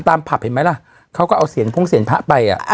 ตามผลัพย์เห็นไหมล่ะเขาก็เอาเสียงพุงเสียรพะไปอ่ะ